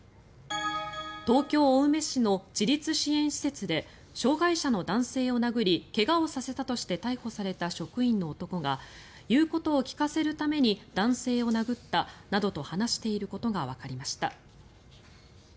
東京・青梅市の自立支援施設で障害者の男性を殴り怪我をさせたとして逮捕された職員の男が言うことを聞かせるために男性を殴ったなどと話していることがわかりました。